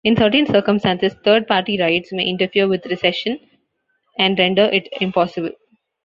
In certain circumstances, third party rights may interfere with rescission and render it impossible.